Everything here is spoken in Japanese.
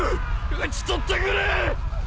討ち取ってくれ！